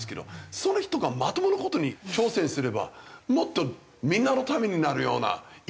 その人がまともな事に挑戦すればもっとみんなのためになるようないい事ができたのになと。